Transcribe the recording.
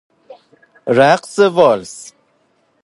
رقص والس